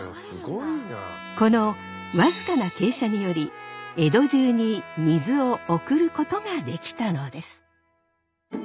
このわずかな傾斜により江戸中に水を送ることができたのです。